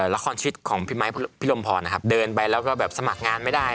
ละครชีวิตของพี่ไม้พี่ลมพรเดินไปแล้วแสมรกงานไม่ได้